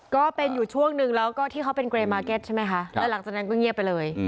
ก็เป็นอยู่ช่วงนึงแล้วก็ที่เขาเป็นเกรมาเก็ตใช่ไหมคะแล้วหลังจากนั้นก็เงียบไปเลย